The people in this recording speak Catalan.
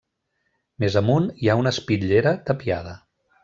Més amunt, hi ha una espitllera tapiada.